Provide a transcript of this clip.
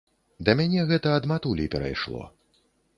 Да мяне гэта ад матулі перайшло.